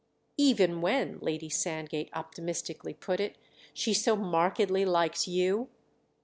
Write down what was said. "Even when," Lady Sandgate optimistically put it, "she so markedly likes you?"